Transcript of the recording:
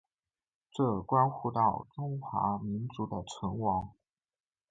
这关乎到中华民族的存亡。